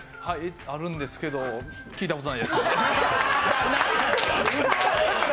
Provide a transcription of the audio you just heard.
あるんですけど聞いたことないですね。